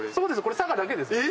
これ佐賀だけです。